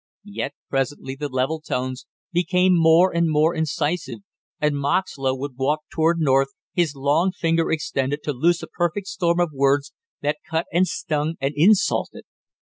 Yet presently the level tones became more and more incisive, and Moxlow would walk toward North, his long finger extended, to loose a perfect storm of words that cut and stung and insulted.